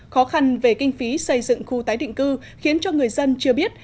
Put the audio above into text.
khó khăn về kinh phí xây dựng khu tái định cư khiến cho người dân chưa biết